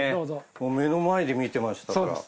目の前で見てましたから。